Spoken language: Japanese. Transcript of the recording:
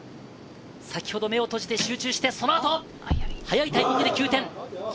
先ほど目を閉じて集中して、そのあと早いタイミングで９点。